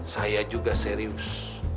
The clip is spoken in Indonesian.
saya juga serius